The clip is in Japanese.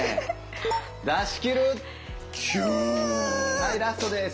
はいラストです。